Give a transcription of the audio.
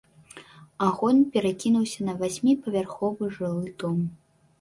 Агонь перакінуўся на васьміпавярховы жылы дом.